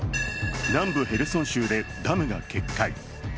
南部ヘルソン州でダムが決壊。